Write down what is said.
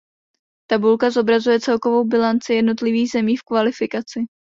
Tabulka zobrazuje celkovou bilanci jednotlivých zemí v kvalifikaci.